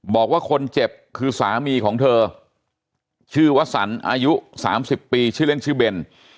บอกว่าคนเจ็บคือสามีของเธอชื่อวสันอายุ๓๐ปีชื่อเล่นชื่อเบน